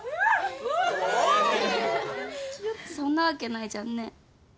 そんなわけないじゃんね。